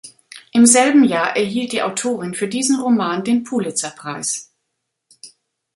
Im selben Jahr erhielt die Autorin für diesen Roman den Pulitzer-Preis.